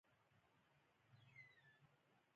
رسوب د افغانستان د جغرافیایي موقیعت یوه لویه پایله ده.